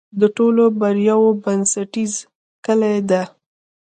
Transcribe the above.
د ټولو بریاوو بنسټیزه کلي ده.